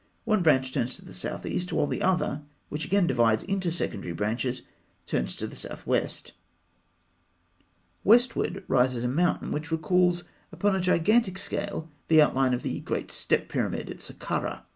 One branch turns to the south east, while the other, which again divides into secondary branches, turns to the south west. Westward rises a mountain which recalls upon a gigantic scale the outline of the great step pyramid of Sakkarah (fig.